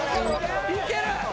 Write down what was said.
いける！